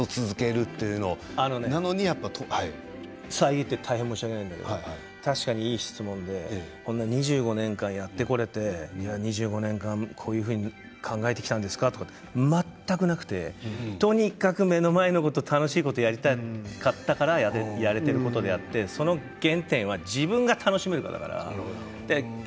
あのね遮って申し訳ないけれど確かにいい質問で２５年間やってこられて２５年間こういうふうに考えてきたんですかとかそういうの全くなくてとにかく目の前のこと楽しいことをやりたかったからやれていることであってその原点は、自分が楽しめるからなんですね。